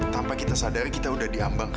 tanpa kita sadar kita sudah diambangkan